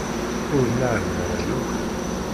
Ur nεellem ara yakk.